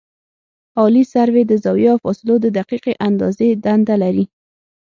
عالي سروې د زاویو او فاصلو د دقیقې اندازې دنده لري